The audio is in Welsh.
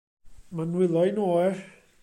Mae 'nwylo i'n oer.